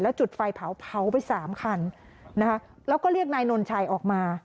แล้วจุดไฟเผาไป๓คันแล้วก็เรียกนายนลชัยออกมา